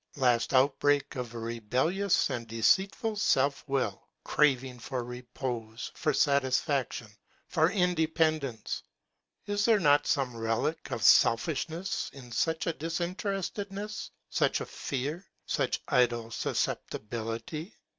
Last outbreak of a rebellious and deceit ful self will, — craving for repose, for satis faction, for independence !—is there not some relic of selfishness in such a disinter estedness, such a fear, such idle suscepti bility